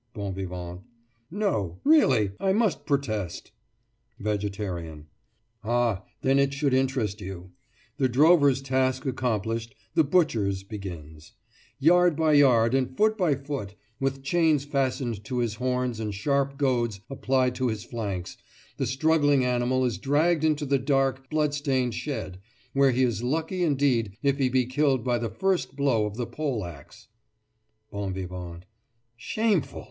BON VIVANT: No, really, I must protest—— VEGETARIAN: Ah, then it should interest you! The drover's task accomplished, the butcher's begins. Yard by yard and foot by foot, with chains fastened to his horns and sharp goads applied to his flanks, the struggling animal is dragged into the dark, blood stained shed, where he is lucky indeed if he be killed by the first blow of the pole axe—— BON VIVANT: Shameful!